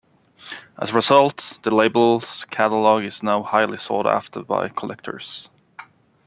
As a result, the label's catalog is now highly sought after by collectors.